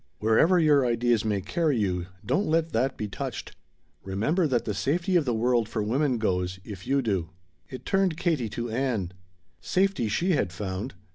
Wherever your ideas may carry you, don't let that be touched. Remember that the safety of the world for women goes, if you do." It turned Katie to Ann. Safety she had found.